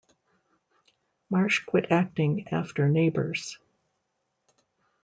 Marsh quit acting after Neighbours.